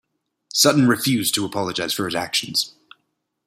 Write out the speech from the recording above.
Sutton refused to apologise for his actions.